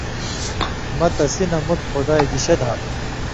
مہ تسی نہ مُت خدائ گِشے دھام،